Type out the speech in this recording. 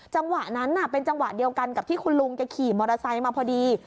จังหวะนั้นเป็นจังหวะเดียวกันกับที่คุณลุงแกขี่มอเตอร์ไซค์มาพอดี